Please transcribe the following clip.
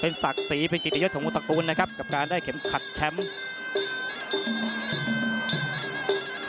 ศักดิ์ศรีเป็นกิจยศของคุณตระกูลนะครับกับการได้เข็มขัดแชมป์